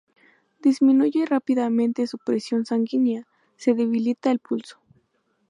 Disminuye rápidamente su presión sanguínea, se debilita el pulso.